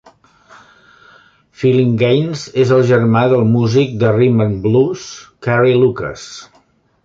Phillinganes és el germà del músic de "rhythm-and-blues" Carrie Lucas.